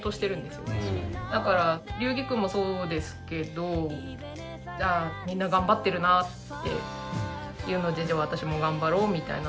だから龍儀くんもそうですけどみんな頑張ってるなっていうので私も頑張ろうみたいなのとか。